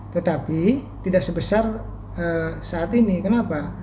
tetapi tidak sebesar saat ini kenapa